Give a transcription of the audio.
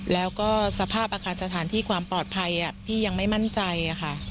แล้วก็สภาพอาคารสถานที่ความปลอดภัยพี่ยังไม่มั่นใจค่ะ